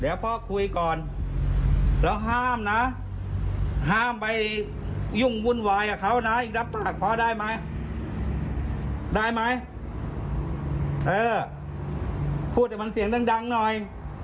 เออพูดกับมันเสียงดังหน่อย